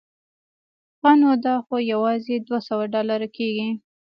ښه نو دا خو یوازې دوه سوه ډالره کېږي.